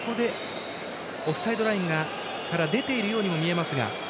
オフサイドラインから出ているようにも見えますが。